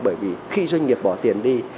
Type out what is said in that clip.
bởi vì khi doanh nghiệp bỏ tiền đi